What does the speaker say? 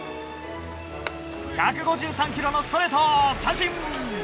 １５３キロのストレート三振！